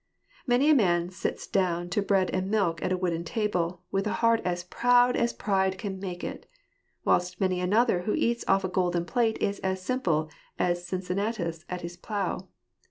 Many a man sits down to bread and milk at a wooden table, with a heart as proud as pride can make it : whilst many another who eats off a golden plate is as simple as Cincinnatus at his plough.